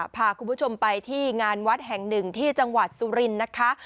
พาคุณผู้ชมไปที่งานวัดแห่งหนึ่งที่จังหวัดสุรินทร์นะคะ